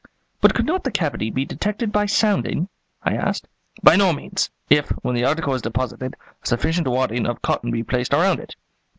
"But could not the cavity be detected by sounding?" I asked. "By no means, if, when the article is deposited, a sufficient wadding of cotton be placed around it.